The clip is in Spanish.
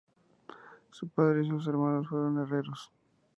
Su padre y sus hermanos fueron herreros.